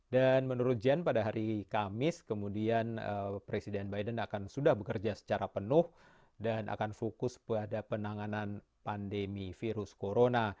menurut jen pada hari kamis kemudian presiden biden akan sudah bekerja secara penuh dan akan fokus pada penanganan pandemi virus corona